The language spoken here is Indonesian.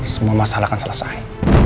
semua masalah akan selesai